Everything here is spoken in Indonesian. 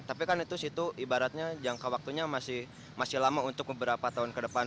tapi kan itu situ ibaratnya jangka waktunya masih lama untuk beberapa tahun ke depan